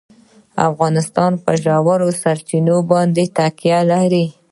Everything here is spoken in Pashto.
افغانستان په ژورې سرچینې باندې تکیه لري.